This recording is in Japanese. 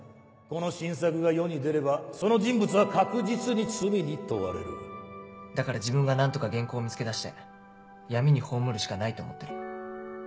この新作が世に出ればその人物は確実に罪だから自分が何とか原稿を見つけ出して闇に葬るしかないって思ってる。